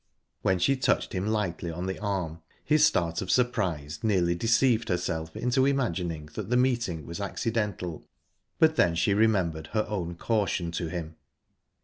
When she touched him lightly on the arm, his start of surprise nearly deceived herself into imagining that the meeting was accidental; but then she remembered her own caution to him.